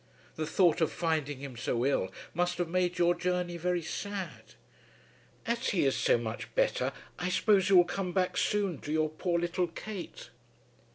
The thought of finding him so ill must have made your journey very sad. As he is so much better, I suppose you will come back soon to your poor little Kate.